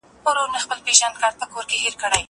مېوې راټوله.